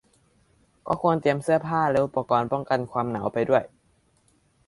ก็ควรเตรียมเสื้อผ้าและอุปกรณ์ป้องกันความหนาวไปด้วย